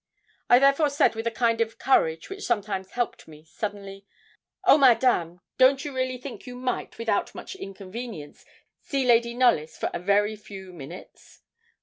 I therefore said with a kind of courage which sometimes helped me suddenly 'Oh, Madame, don't you really think you might, without much inconvenience, see Lady Knollys for a very few minutes?'